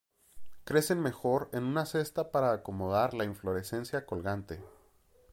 Crecen mejor en una cesta para acomodar la inflorescencia colgante.